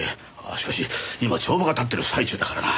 しかし今帳場が立ってる最中だからな。